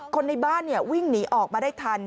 คนในบ้านวิ่งหนีออกมาได้ทัน